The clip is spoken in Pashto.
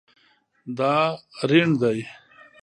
دا ریڼ دی